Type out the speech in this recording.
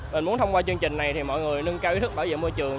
mình muốn thông qua chương trình này thì mọi người nâng cao ý thức bảo vệ môi trường